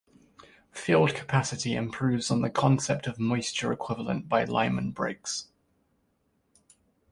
Field capacity improves on the concept of moisture equivalent by Lyman Briggs.